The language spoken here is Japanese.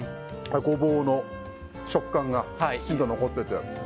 ゴボウの食感がきちんと残ってて。